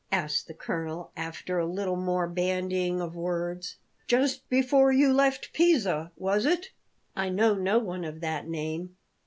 asked the colonel, after a little more bandying of words. "Just before you left Pisa, was it?" "I know no one of that name."